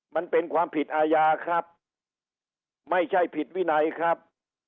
มันเป็นความผิดอาญาครับไม่ใช่ผิดวินัยครับ